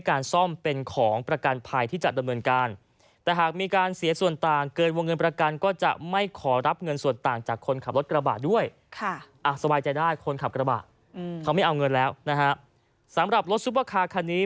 เขาไม่เอาเงินแล้วสำหรับรถซุปเปอร์คาร์คันนี้